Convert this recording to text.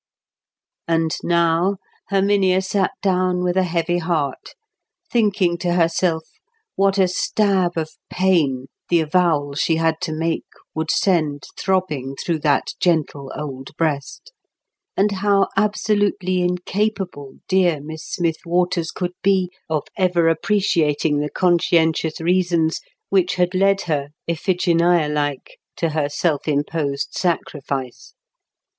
And now, Herminia sat down with a heavy heart, thinking to herself what a stab of pain the avowal she had to make would send throbbing through that gentle old breast, and how absolutely incapable dear Miss Smith Waters could be of ever appreciating the conscientious reasons which had led her, Iphigenia like, to her self imposed sacrifice.